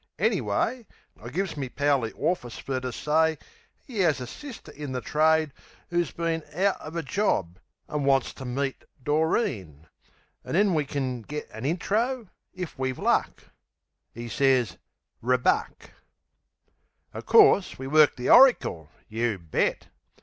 Anyway, I gives me pal the orfis fer to say 'E 'as a sister in the trade 'oo's been Out uv a jorb, an' wants ter meet Doreen; Then we kin get an intro, if we've luck. 'E sez, "Ribuck." O' course we worked the oricle; you bet!